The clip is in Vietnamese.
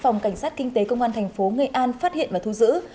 phòng cảnh sát kinh tế công an thành phố nghệ an phát hiện và thu giữ